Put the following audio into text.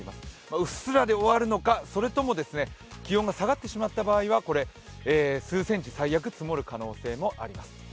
うっすらで終わるのか、それとも気温が下がってしまった場合は数センチ最悪、積もる可能性もあります。